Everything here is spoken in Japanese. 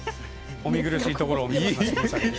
お見苦しいところを見せました。